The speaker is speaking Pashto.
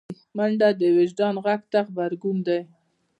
منډه د وجدان غږ ته غبرګون دی